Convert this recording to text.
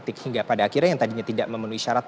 tidak ada yang menyebutkan ini adalah kekacauan